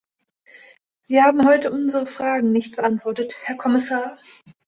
Sie haben heute unsere Fragen nicht beantwortet, Herr Kommissar.